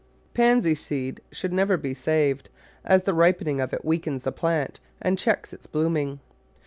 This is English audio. Pansy seed should never be saved, as the ripening of it weakens the plant and checks its blooming.